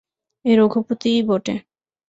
এ রঘুপতিই বটে।